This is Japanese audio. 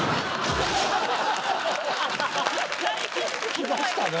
きましたね。